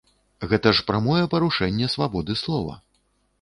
Гэта ж прамое парушэнне свабоды слова.